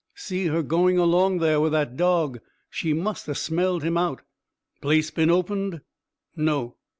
"See her going along there with that dog. She must ha' smelled him out." "Place been opened?" "No."